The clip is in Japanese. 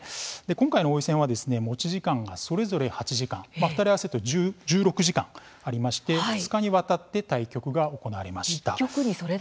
今回の王位戦は持ち時間がそれぞれ８時間２人合わせて１６時間ありまして２日にわたって対局が行われました。